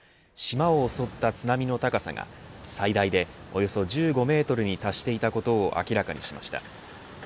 島を襲った津波の高さが最大でおよそ１５メートルに達していたことを明らかにしました。